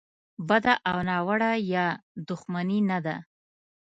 بده او ناوړه یا دوښمني نه ده.